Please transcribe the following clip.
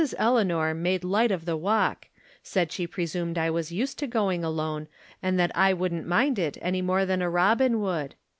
Eleanor made light of the walk ; said she presumed I was used to going alone, and that I wouldn't mind it any more than a robin would.